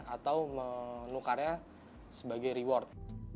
atau menukarnya sebagai reward